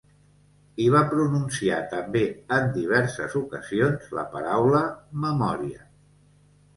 I va pronunciar també, en diverses ocasions, la paraula ‘memòria’.